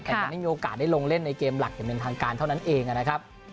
แต่จะไม่มีโอกาสได้ลงเล่นในเกมหลักอย่างเป็นทางการเท่านั้นเองนะครับ